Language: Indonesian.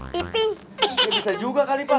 bisa juga kali pak